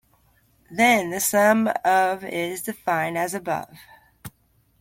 Then the sum of is defined as above.